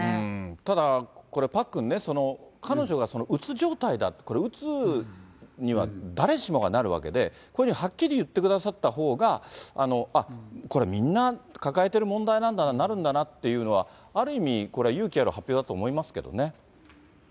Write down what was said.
ただ、パックンね、彼女がうつ状態だと、これ、うつには誰しもがなるわけで、こういうふうにはっきり言ってくださったほうが、あっ、これ、みんな抱えている問題なんだな、なるんだなっていうのは、ある意味、これは勇気ある発表だと思いますけどね。